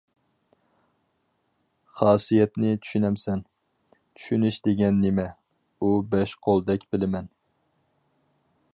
خاسىيەتنى چۈشىنەمسەن؟ چۈشىنىش دېگەن نېمە ئۇ؟ بەش قولدەك بىلىمەن.